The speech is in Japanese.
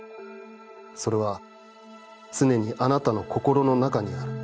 それはつねにあなたの心の中にある。